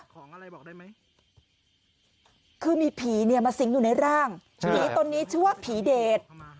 ของอะไรบอกได้ไหมคือมีผีเนี่ยมาสิงอยู่ในร่างผีตนนี้ชื่อว่าผีเดช